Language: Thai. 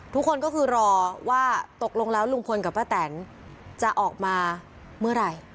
ทุกคนก็คือรอว่าตกลงแล้วลุงพลกับป้าแตนจะออกมาเมื่อไหร่